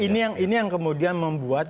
nah ini yang kemudian membuat